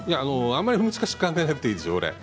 あまり難しく考えなくていいですよ。